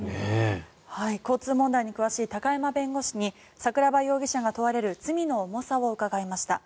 交通問題に詳しい高山弁護士に桜庭容疑者が問われる罪の重さを伺いました。